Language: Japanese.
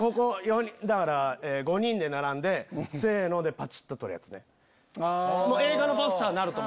だから５人で並んでせの！でパチっと撮るやつね。